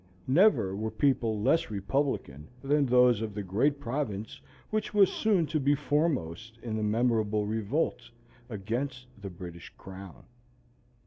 Never were people less republican than those of the great province which was soon to be foremost in the memorable revolt against the British Crown.